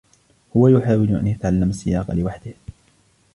هو يحاول أن يتعلّم السياقة لوحده.